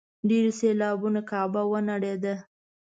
ډېرو سېلابونو کعبه ونړېده.